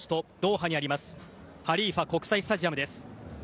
ハリーファ国際スタジアムです。